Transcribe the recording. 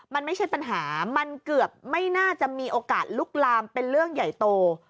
มันไม่ใช่ปัญหามันเกือบไม่น่าจะมีโอกาสลุกลามเป็นเรื่องใหญ่โต